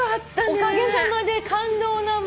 おかげさまで感動な。